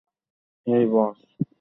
হেই, বস।